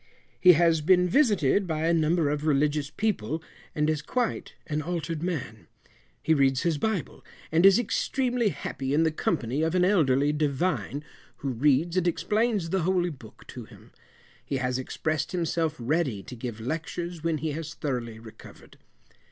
He has been visited by a number of religious people, and is quite an altered man. He reads his bible, and is extremely happy in the company of an elderly Divine, who reads and explains the holy book to him. He has expressed himself ready to give lectures when he has thoroughly recovered.